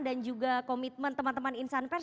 dan juga komitmen teman teman insan pers